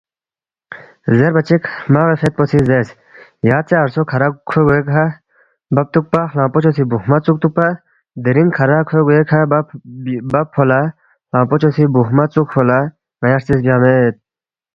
زیربا چِک ہرمغی فید پو سی زیرس، یاژے عرصو کھرا کھوے گوے کھہ ببتُوکپا، خلنگفوچو سی بُوکھما ژُوکتُوکپا دِرِنگ کھرا کھوے گوے کھہ ببفو لہ، خلنگفوچو سی بُوکھما ژُوکفو لہ ن٘یا ہرژِس بیا مید